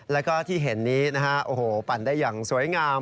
แล้วก็ที่เห็นนี้นะฮะโอ้โหปั่นได้อย่างสวยงาม